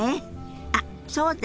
あっそうだ！